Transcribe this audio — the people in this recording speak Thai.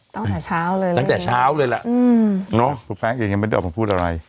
ตั้งแต่เช้าเลยตั้งแต่เช้าเลยแหละอืมเนอะผู้แป้งยังไม่ได้ออกมาพูดอะไร